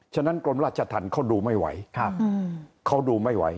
ฉะนั้นกรมราชธรรมเขาดูไม่ไหว